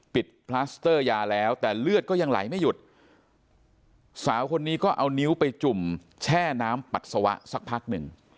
พลัสเตอร์ยาแล้วแต่เลือดก็ยังไหลไม่หยุดสาวคนนี้ก็เอานิ้วไปจุ่มแช่น้ำปัสสาวะสักพักหนึ่ง